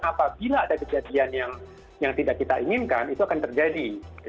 apabila ada kejadian yang tidak kita inginkan itu akan terjadi